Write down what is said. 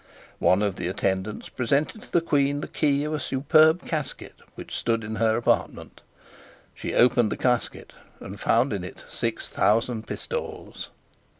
One of the attendants presented to the Queen the key of a superb casket which stood in her apartment. She opened the casket, and found in it six thousand pistoles.